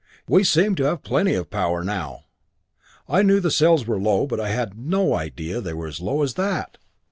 We seem to have plenty of power now." "I knew the cells were low, but I had no idea they were as low as that!